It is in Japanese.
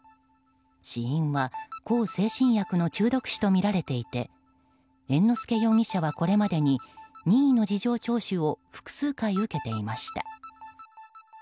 死因は向精神薬の中毒死とみられていて猿之助容疑者はこれまでに任意の事情聴取を複数回受けていました。